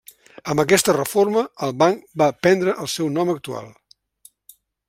Amb aquesta reforma, el banc va prendre el seu nom actual.